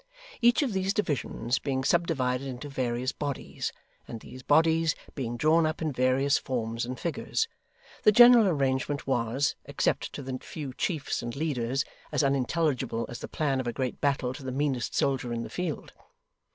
Each of these divisions being subdivided into various bodies, and these bodies being drawn up in various forms and figures, the general arrangement was, except to the few chiefs and leaders, as unintelligible as the plan of a great battle to the meanest soldier in the field.